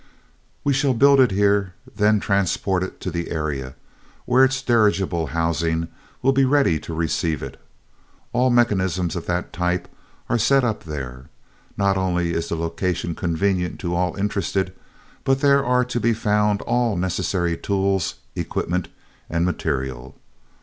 "We shall build it here, then transport it to the Area, where its dirigible housing will be ready to receive it. All mechanisms of that type are set up there. Not only is the location convenient to all interested, but there are to be found all necessary tools, equipment and material.